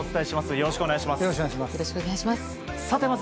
よろしくお願いします。